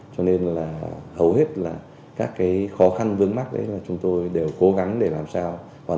cho nên là hầu hết là các cái khó khăn vướng mắt đấy là chúng tôi đều cố gắng để làm sao